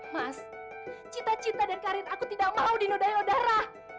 mas cita cita dan karir aku tidak mau di nodayo darah